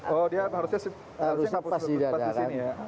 oh dia harusnya sepatu di sini ya